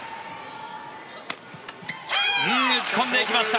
打ち込んでいきました。